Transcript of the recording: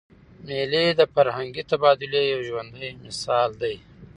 مېلې د فرهنګي تبادلې یو ژوندى مثال دئ.